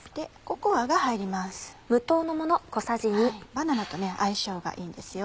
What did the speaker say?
バナナと相性がいいんですよ。